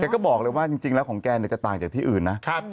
ก็บอกเลยว่าจริงแล้วของแกจะต่างจากที่อื่นนะ